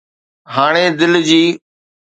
هاڻي دل جي